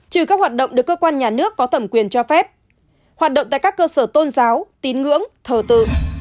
trừ các hoạt động được cơ quan nhà nước có thẩm quyền cho phép hoạt động tại các cơ sở tôn giáo tín ngưỡng thờ tự